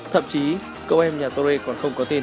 thậm chí cậu em nhà touré còn không có tên